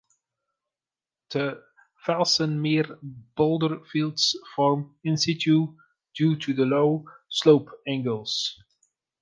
The felsenmeer boulder fields form in-situ due to the low slope angles.